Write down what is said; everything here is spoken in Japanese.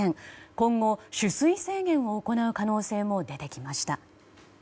今後、取水制限を行う可能性も出てきました。